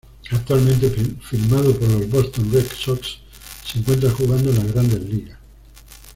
Actualmente, firmado por los Boston Red Sox, se encuentra jugando en las grandes ligas.